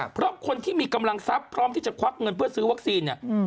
เพราะคนที่มีกำลังทรัพย์พร้อมที่จะควักเงินเพื่อซื้อวัคซีนเนี่ย